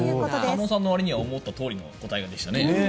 鹿野さんにしては思ったとおりの答えでしたね。